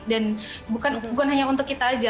dan bukan hanya untuk kita aja